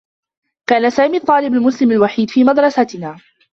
كان سامي الطّالب المسلم الوحيد في مدرستنا.